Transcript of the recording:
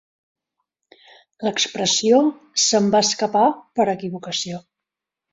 L'expressió se'm va escapar per equivocació.